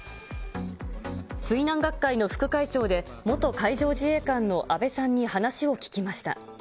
水難学会の副会長で、元海上自衛官の安倍さんに話を聞きました。